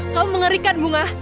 kamu mengerikan bunga